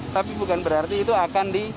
tapi bukan berarti itu akan di